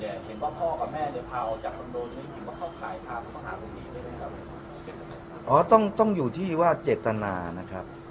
หรือว่าเข้าขายพาผู้ต้องหาคุณนี้ได้ไหมครับอ๋อต้องต้องอยู่ที่ว่าเจตนานะครับ